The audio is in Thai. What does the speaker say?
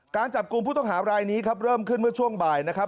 การจับกลุ่มผู้ต้องหารายนี้ครับเริ่มขึ้นเมื่อช่วงบ่ายนะครับ